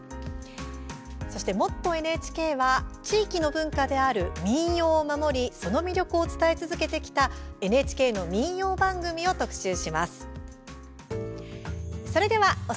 「もっとＮＨＫ」は地域の文化である「民謡」を守りその魅力を伝え続けてきたＮＨＫの民謡番組を特集します。